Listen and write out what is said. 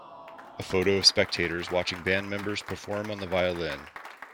A photo of spectators watching band members perform on the violin.